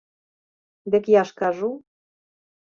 Дык я ж кажу.